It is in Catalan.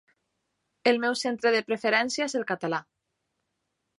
El meu centre de preferència és el català.